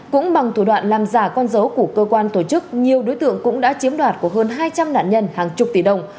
cũng bằng thủ đoạn làm giả con dấu của cơ quan tổ chức nhiều đối tượng cũng đã chiếm đoạt của hơn hai trăm linh nạn nhân hàng chục tỷ đồng